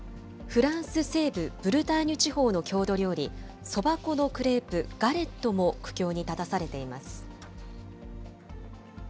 フランス西部、ブルターニュ地方の郷土料理、そば粉のクレープ、ガレットも苦境に立たされています。